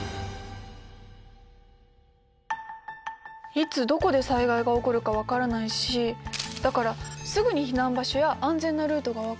いつどこで災害が起こるか分からないしだからすぐに避難場所や安全なルートが分かるといいよね。